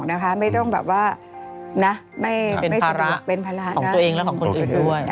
เป็นภาระของตัวเองและของคนอื่นด้วย